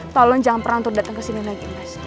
tolong jangan pernah terdaten kesini lagi mas